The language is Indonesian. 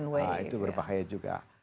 nah itu berbahaya juga